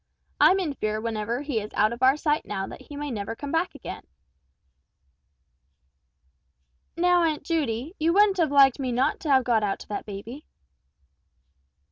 I'm in fear whenever he is out of our sight now that he may never come back again." "Now, Aunt Judy, you wouldn't have liked me not to have got out to that baby?"